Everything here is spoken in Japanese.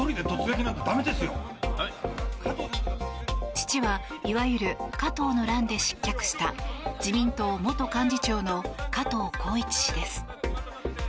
父はいわゆる加藤の乱で失脚した自民党元幹事長の加藤紘一氏です。